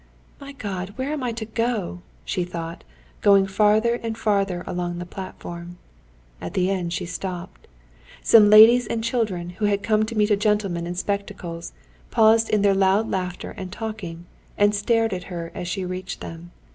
"My God! where am I to go?" she thought, going farther and farther along the platform. At the end she stopped. Some ladies and children, who had come to meet a gentleman in spectacles, paused in their loud laughter and talking, and stared at her as she reached them.